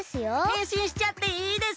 へんしんしちゃっていいですか？